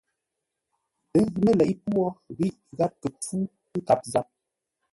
Ə́ ghʉ mə́ leʼé pwô ghíʼ gháp kə́ pfú nkâp záp.